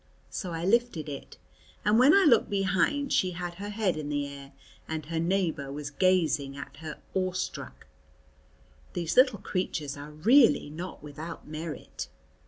So I lifted it, and when I looked behind she had her head in the air and her neighbour was gazing at her awestruck. These little creatures are really not without merit.